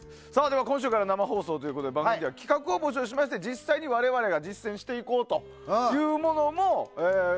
今週から生放送ということで番組では企画を募集しまして実際に我々が実践するものも。